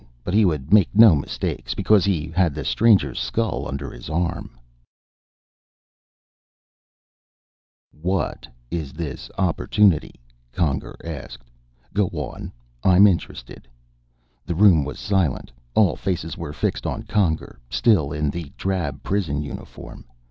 But he would make no mistakes because he had the stranger's skull under his arm._ THE SKULL By Philip K. Dick "What is this opportunity?" Conger asked. "Go on. I'm interested." The room was silent; all faces were fixed on Conger still in the drab prison uniform.